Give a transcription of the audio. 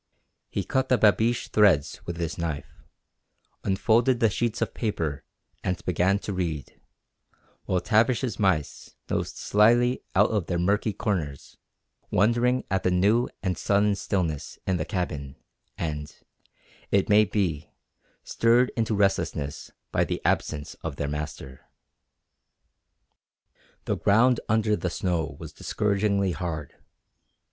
He cut the babiche threads with his knife, unfolded the sheets of paper and began to read, while Tavish's mice nosed slyly out of their murky corners wondering at the new and sudden stillness in the cabin and, it may be, stirred into restlessness by the absence of their master. The ground under the snow was discouragingly hard.